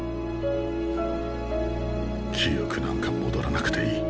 記憶なんか戻らなくていい。